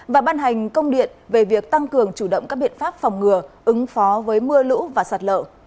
và ban hành công điện về việc tăng cường chủ động các biện pháp phòng ngừa ứng phó với mưa lũ và sạt lở